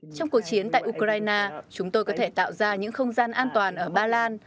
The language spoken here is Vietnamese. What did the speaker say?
trong cuộc chiến tại ukraine chúng tôi có thể tạo ra những không gian an toàn ở ba lan